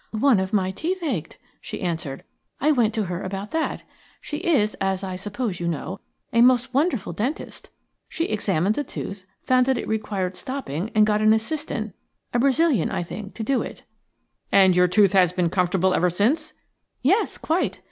"One of my teeth ached," she answered. "I went to her about that. She is, as I suppose you know, a most wonderful dentist. She examined the tooth, found that it required stopping, and got an assistant, a Brazilian, I think, to do it." "And your tooth has been comfortable ever since?" "Yes, quite.